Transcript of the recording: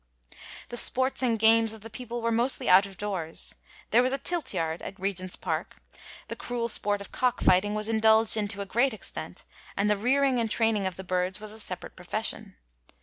The sports and games of the people were mostly out of doors. There was a tilt yard at Regent's Park. The cruel sport of cock fighting was indulged in to a g^at extent, and the rearing and training of the bii ds was a separate profession.